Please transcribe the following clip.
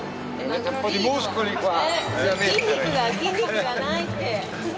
・筋肉がないって。